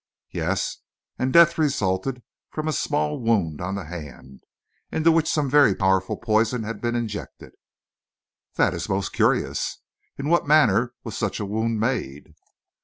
"Yes, and death resulted from a small wound on the hand, into which some very powerful poison had been injected." "That is most curious. In what manner was such a wound made?"